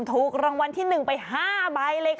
ถูกรางวัลที่๑ไป๕ใบเลยค่ะ